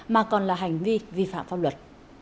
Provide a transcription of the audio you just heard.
mà còn là hành vi vi phạm pháp luật